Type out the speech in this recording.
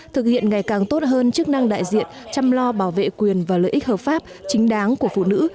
thực hiện ngày càng tốt hơn chức năng đại diện chăm lo bảo vệ quyền và lợi ích hợp pháp chính đáng của phụ nữ